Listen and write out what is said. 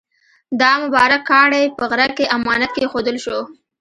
دا مبارک کاڼی په غره کې امانت کېښودل شو.